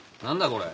これ。